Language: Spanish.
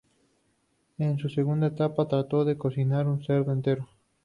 En su segunda etapa, trató de cocinar un cerdo entero.